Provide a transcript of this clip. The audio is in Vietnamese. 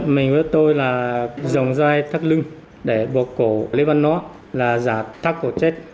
mình với tôi là dòng dây thắt lưng để bột cổ lý văn nó là giả thắt cổ chết